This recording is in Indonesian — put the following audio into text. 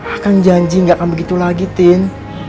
akan janji gak akan begitu lagi tim